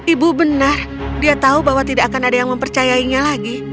ibu benar dia tahu bahwa tidak akan ada yang mempercayainya lagi